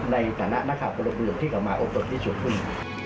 ในฐานะนักภาพบริเวณที่เขามาอบรมที่ช่วยพึ่ง